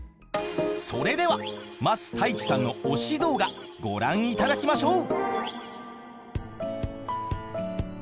それでは桝太一さんの推し動画ご覧いただきましょう！